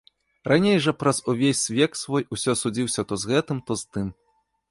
Раней жа праз увесь век свой усё судзіўся то з гэтым, то з тым.